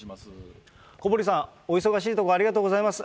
小堀さん、お忙しいところ、ありがとうございます。